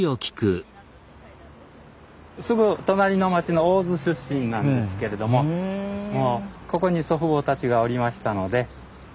すぐ隣の町の大州出身なんですけれどもここに祖父母たちがおりましたので退職後